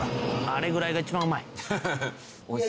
「あれぐらいが一番うまい」